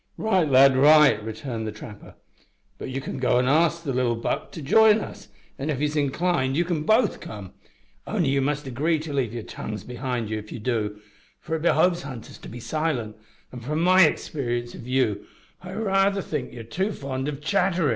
"Right, lad, right" returned the trapper, "but you can go an' ask the little Buck to jine us, an' if he's inclined you can both come only you must agree to leave yer tongues behind ye if ye do, for it behoves hunters to be silent, and from my experience of you I raither think yer too fond o' chatterin'."